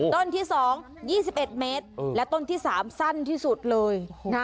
ต้นที่๒๒๑เมตรและต้นที่๓สั้นที่สุดเลย